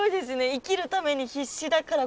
生きるために必死だからこそ。